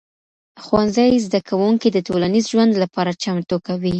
ښوونځي زدهکوونکي د ټولنیز ژوند لپاره چمتو کوي.